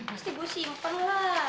mesti gue simpen lah